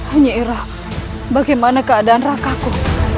asyikrah bagaimana keadaan rakahku